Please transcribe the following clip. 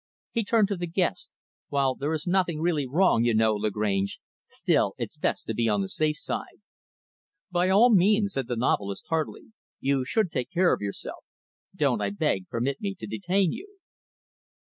He turned to the guest "While there is nothing really wrong, you know, Lagrange, still it's best to be on the safe side." "By all means," said the novelist, heartily. "You should take care of yourself. Don't, I beg, permit me to detain you."